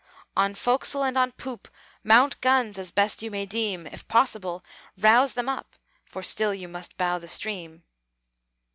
"On forecastle and on poop Mount guns, as best you may deem. If possible, rouse them up (For still you must bow the stream).